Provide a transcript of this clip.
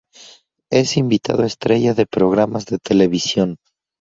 Es invitado estrella de programas de televisión.